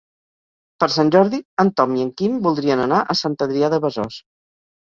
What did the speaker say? Per Sant Jordi en Tom i en Quim voldrien anar a Sant Adrià de Besòs.